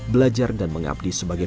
belajar dan mengabdi sebagai